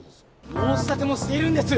申し立てもしているんです！